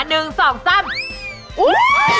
ยังอยู่